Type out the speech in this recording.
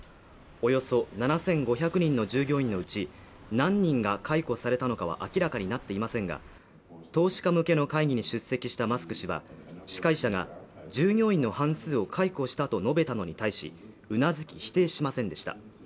およそ７５００人の従業員のうち何人が解雇されたのかは明らかになっていませんが投資家向けの会議に出席したマスク氏は司会者が従業員の半数を解雇したと述べたのに対しうなずき否定しませんでした